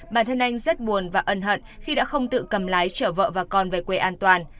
bản thân anh rất buồn và ân hận khi đã không tự cầm lái chở vợ và con về quê an toàn